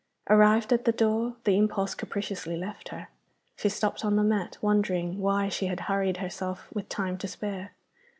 Arrived at the door, the impulse capriciously left her. She stopped on the mat, wondering why she had hurried herself, with time to spare.